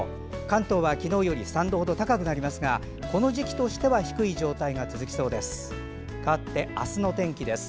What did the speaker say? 関東は昨日より３度ほど高くなりますがこの時期としては低い状態が続きそうです。